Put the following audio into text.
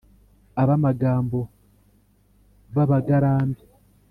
Ab'amagambo babagarambe